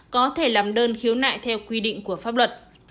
có thể làm đơn khiếu nại theo quy định của pháp luật